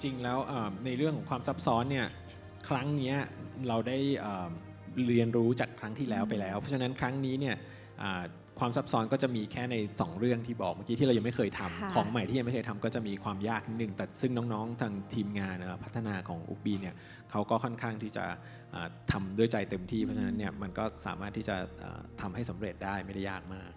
จริงแล้วในเรื่องของความซับซ้อนเนี่ยครั้งนี้เราได้เรียนรู้จากครั้งที่แล้วไปแล้วเพราะฉะนั้นครั้งนี้เนี่ยความซับซ้อนก็จะมีแค่ในสองเรื่องที่บอกเมื่อกี้ที่เรายังไม่เคยทำของใหม่ที่ยังไม่เคยทำก็จะมีความยากนิดนึงแต่ซึ่งน้องทางทีมงานพัฒนาของอุปบีเนี่ยเขาก็ค่อนข้างที่จะทำด้วยใจเต็มที่เพราะฉะนั้นเนี่ยมันก็สามารถที่จะทำให้สำเร็จได้ไม่ได้ยากมาก